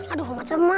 aduh macam mana